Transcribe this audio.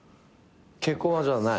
結婚はじゃあない？